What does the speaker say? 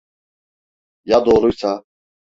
Ya doğruysa?